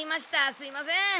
すいません。